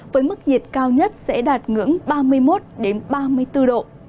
với mức nhiệt cao nhất sẽ đạt ngưỡng ba mươi một ba mươi bốn độ